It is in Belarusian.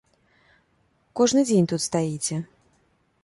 Кожны дзень тут стаіце.